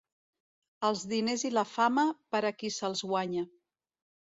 Els diners i la fama, per a qui se'ls guanya.